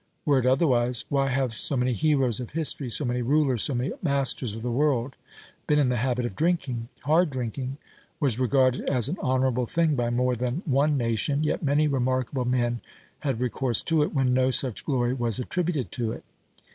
Were it otherwise, why have so many heroes of history, so many rulers, so many masters of the world been in the habit of drinking ? Hard drinking was regarded as an honourable thing by more than one nation, yet many remarkable men had recourse to it when no such glory was attributed to it.